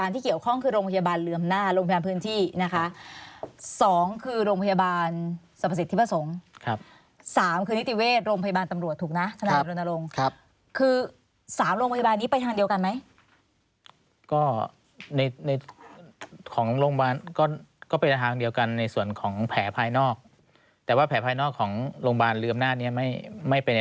ที่เกี่ยวข้องคือโรงพยาบาลเรือมหน้าโรงพยาบาลพื้นที่นะคะสองคือโรงพยาบาลสรรพสิทธิประสงค์ครับสามคือนิติเวชโรงพยาบาลตำรวจถูกนะทนายรณรงค์ครับคือสามโรงพยาบาลนี้ไปทางเดียวกันไหมก็ในในของโรงพยาบาลก็ก็เป็นทางเดียวกันในส่วนของแผลภายนอกแต่ว่าแผลภายนอกของโรงพยาบาลเรืออำนาจนี้ไม่ไม่เป็น